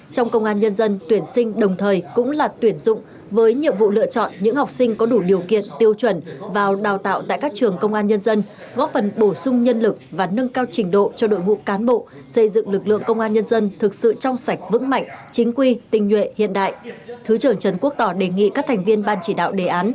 trong công an nhân dân tuyển sinh đồng thời cũng là tuyển dụng với nhiệm vụ lựa chọn những học sinh có đủ điều kiện tiêu chuẩn vào đào tạo tại các trường công an nhân dân góp phần bổ sung nhân lực và nâng cao trình độ cho đội ngũ cán bộ xây dựng lực lượng công an nhân dân thực sự trong sạch vững mạnh chính quy tinh nhuệ hiện đại